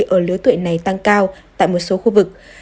ở lứa tuổi này tăng cao tại một số khu vực